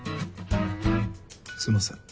すんません。